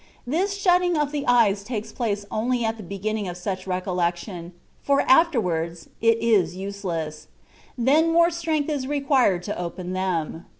This shutting of the eyes takes place only at the beginning of such recollection, for afterwards it is useless : then more strength is required to open them.